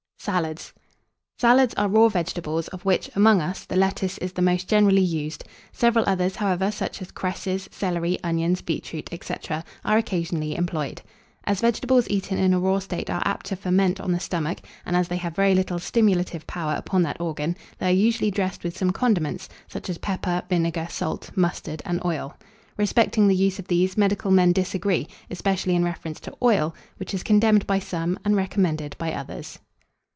SALADS. Salads are raw vegetables, of which, among us, the lettuce is the most generally used; several others, however, such as cresses, celery, onions, beetroot, &c., are occasionally employed. As vegetables eaten in a raw state are apt to ferment on the stomach, and as they have very little stimulative power upon that organ, they are usually dressed with some condiments, such as pepper, vinegar, salt, mustard, and oil. Respecting the use of these, medical men disagree, especially in reference to oil, which is condemned by some and recommended by others.